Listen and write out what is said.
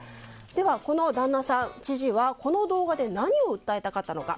では、この旦那さん知事はこの動画で何を訴えたかったのか。